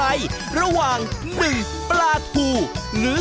ออกออกออกออกออกออก